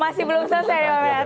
masih belum selesai pak wibu rahman